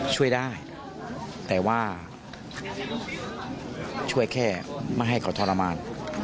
ช่วยได้แต่ว่าช่วยแค่ไม่ให้เขาทรมาน